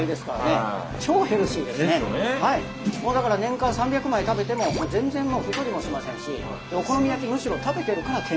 だから年間３００枚食べても全然太りもしませんしお好み焼きむしろ食べてるから健康っていう。